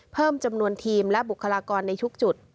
เพิ่มจำนวนทีมและบุคลากรในทุกจุด